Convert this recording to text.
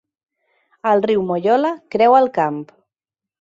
El riu Moyola creua el camp.